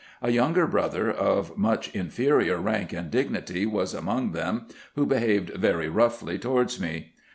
A younger brother, of much inferior rank and dignity, was among them, who behaved very roughly towards me.